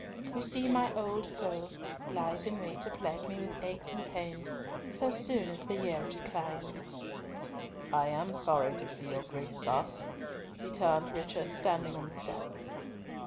You see my old foe lies in wait to plague me with aches and pains so soon as the year declines." "I am sorry to see your Grace thus," returned Richard, standing on the step.